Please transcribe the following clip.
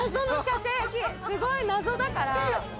すごい謎だから。